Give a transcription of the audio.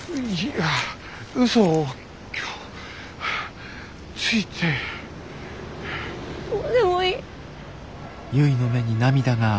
どうでもいい。